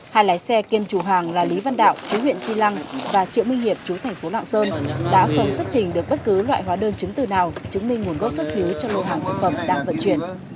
hai lái xe kiêm chủ hàng là lý văn đạo chú huyện tri lăng và triệu minh hiệp chú thành phố lạng sơn đã không xuất trình được bất cứ loại hóa đơn chứng từ nào chứng minh nguồn gốc xuất xứ cho lô hàng thực phẩm đang vận chuyển